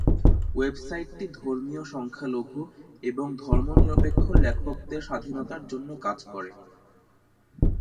Website টি ধর্মীয় সংখ্যালঘু এবং ধর্মনিরপেক্ষ লেখকদের স্বাধীনতার জন্য কাজ করে।